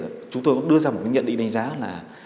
thì cũng có thể chúng tôi đưa ra một nhận định đánh giá là